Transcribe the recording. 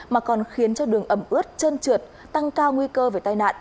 mà còn khiến cho đường ẩm ướt chân trượt tăng cao nguy cơ về tai nạn